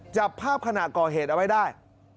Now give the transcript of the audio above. จับภาพขนาดกอเดทเอาไว้ได้